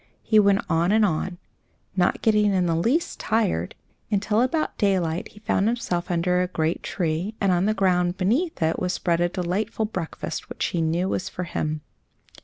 He went on and on, not getting in the least tired, until about daylight he found himself under a great tree, and on the ground beneath it was spread a delightful breakfast, which he knew was for him.